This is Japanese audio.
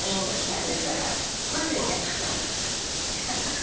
バツですか。